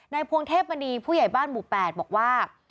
พวงเทพมณีผู้ใหญ่บ้านหมู่๘บอกว่า